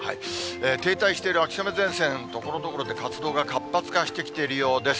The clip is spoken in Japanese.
停滞している秋雨前線、ところどころで活動が活発化しているようです。